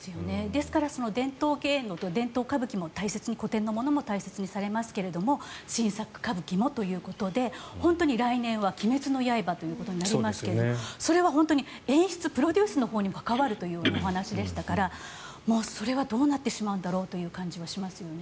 ですから伝統芸能、伝統歌舞伎も大切に、古典のものも大切にされますけれども新作歌舞伎もということで本当に来年は「鬼滅の刃」ということになりますけどもそれは本当に演出、プロデュースのほうに関わるというお話でしたからそれはどうなってしまうんだろうという感じはしますよね。